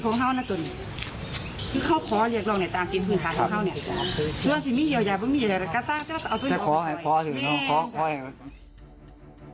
ต้องการเรียกร้องขอการเยียวยาจากทางโรงพยาบาล